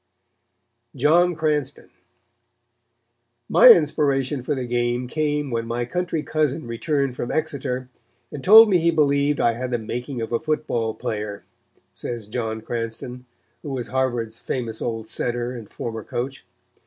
John Cranston "My inspiration for the game came when my country cousin returned from Exeter and told me he believed I had the making of a football player," says John Cranston, who was Harvard's famous old center and former coach.